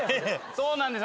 そうなんです。